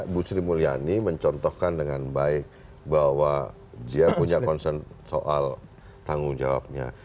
bu sri mulyani mencontohkan dengan baik bahwa dia punya concern soal tanggung jawabnya